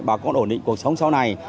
bà con ổn định cuộc sống sau này